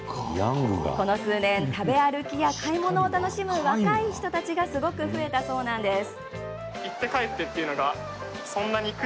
この数年、食べ歩きや買い物を楽しむ若い人たちがすごく増えたそうなんです。